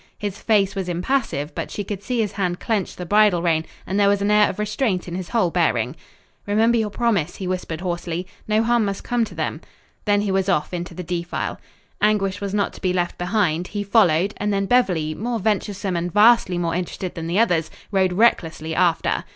His face was impassive, but she could see his hand clench the bridle rein, and there was an air of restraint in his whole bearing. "Remember your promise," he whispered hoarsely. "No harm must come to them." Then he was off into the defile. Anguish was not to be left behind. He followed, and then Beverly, more venturesome and vastly more interested than the others, rode recklessly after.